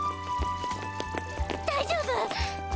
大丈夫！？